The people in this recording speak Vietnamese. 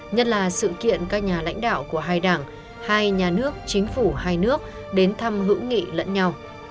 nhất là sự kiện các nhà lãnh đạo của hai đảng hai nhà nước chính phủ hai nước đến thăm hữu nghị lẫn nhau